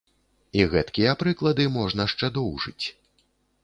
І гэткія прыклады можна шчэ доўжыць.